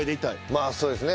まあそうですね。